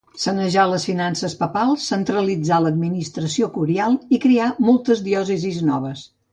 Sanejà les finances papals, centralitzà l'administració curial i creà moltes diòcesis noves.